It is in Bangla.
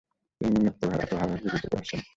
তিনি নিম্নোক্তভাবে বিবৃত করেছেন: